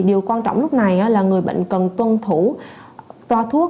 điều quan trọng lúc này là người bệnh cần tuân thủ toa thuốc